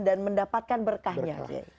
dan mendapatkan berkahnya